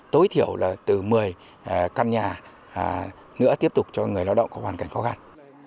tối thiểu là từ một mươi căn nhà nữa tiếp tục cho người lao động có hoàn cảnh khó khăn